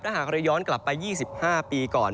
หากเราย้อนกลับไป๒๕ปีก่อน